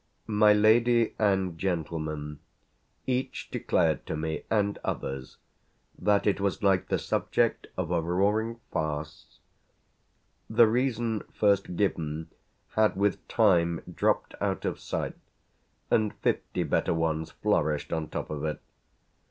My lady and gentleman each declared to me and others that it was like the subject of a roaring farce. The reason first given had with time dropped out of sight and fifty better ones flourished on top of it.